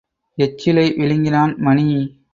எச்சிலை விழங்கினான் மணி.